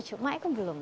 cuma itu belum